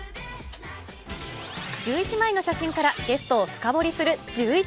１１枚の写真からゲストを深掘りするジューイチ。